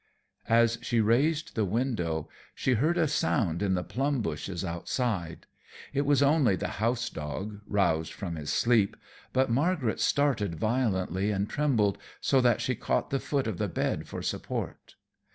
As she raised the window, she heard a sound in the plum bushes outside. It was only the house dog roused from his sleep, but Margaret started violently and trembled so that she caught the foot of the bed for support.